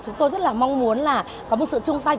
chúng tôi rất là mong muốn là có một sự chung tay